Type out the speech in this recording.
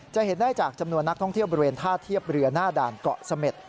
จะเห็นได้จากจำนวนนักท่องเที่ยวบริเวณท่าเทียบเรือหน้าด่านเกาะเสม็ด